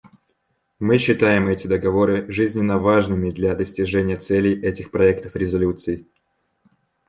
Мы считаем эти договоры жизненно важными для достижения целей этих проектов резолюций.